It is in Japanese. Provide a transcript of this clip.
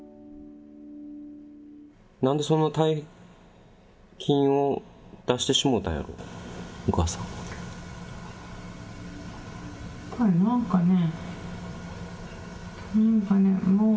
なんでそんな大金を出してしもうたんやろう？